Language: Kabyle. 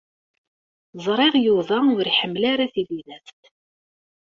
Ẓriɣ Yuba ur iḥemmel ara tibidest.